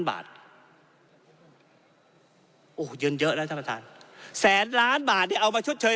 บาทโอ้โหเงินเยอะนะท่านประธานแสนล้านบาทที่เอามาชดเชย